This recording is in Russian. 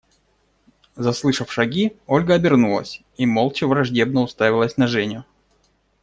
Заслышав шаги, Ольга обернулась и молча враждебно уставилась на Женю.